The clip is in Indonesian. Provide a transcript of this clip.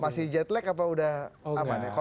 masih jet lag apa udah aman ya